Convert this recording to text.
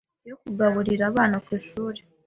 yo kugaburira abana ku ishuri